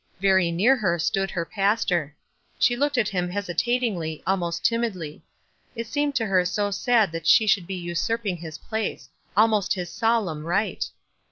Very Lear her stood her pastor. She looked at him hesitatingly, almost timidly. It seemed to her so sad that she should be usurping his place — almost his solemn right.